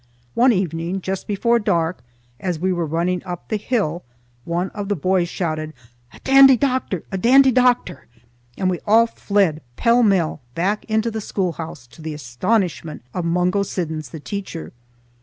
One evening just before dark, as we were running up the hill, one of the boys shouted, "A Dandy Doctor! A Dandy Doctor!" and we all fled pellmell back into the schoolhouse to the astonishment of Mungo Siddons, the teacher.